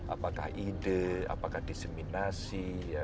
apakah ide apakah diseminasi